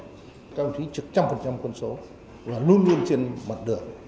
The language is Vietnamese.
các đồng chí trực trăm phần trăm quân số luôn luôn trên mặt đường